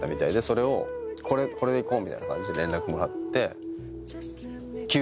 それを「これでいこう」みたいな感じで連絡もらって。